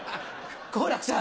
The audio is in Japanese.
好楽さん。